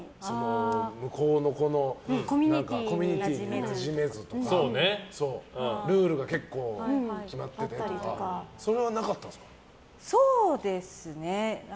向こうのコミュニティーになじめずとかルールが結構決まっててとかそれはなかったんですか？